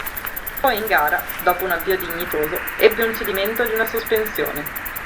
Poi in gara, dopo un avvio dignitoso, ebbe un cedimento di una sospensione.